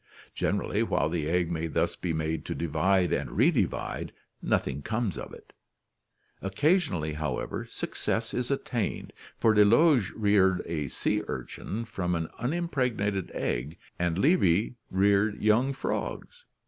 Generally while the egg may thus be made to divide and redivide, nothing comes of it Occasionally, however, success is attained, for Delage ' reared a sea urchin from an unimpregnated egg7 and Levy reared young frogs.